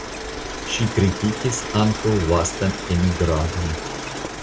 Ŝi kritikis ankaŭ vastan emigradon.